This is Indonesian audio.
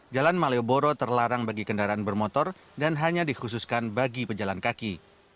jalan malioboro terlarang bagi kendaraan bermotor dan hanya dikhususkan bagi pejalan kaki